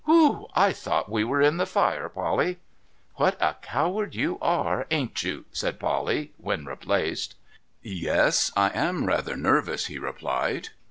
Whew! I thought we were in the fire, Polly !'' What a coward you are, ain't you ?' said Polly when replaced. ' Yes, I am rather nervous,' he replied.